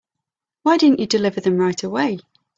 Why didn't you deliver them right away?